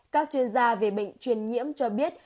các chuyên gia về bệnh truyền nhiễm cho biết